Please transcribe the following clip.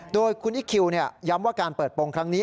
โดยคุณอิ๊กคิวย้ำว่าการเปิดโปรงครั้งนี้